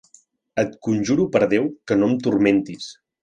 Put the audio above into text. Et conjuro per Déu que no em turmentis!